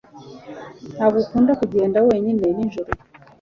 ntabwo akunda kugenda wenyine nijoro